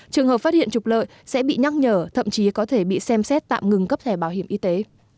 trường hợp phát hiện trục lợi sẽ bị nhắc nhở thậm chí có thể bị xem xét tạm ngừng cấp thẻ bảo hiểm y tế